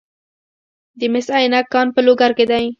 د مس عینک کان په لوګر کې دی